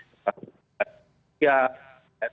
ya tingkat penularan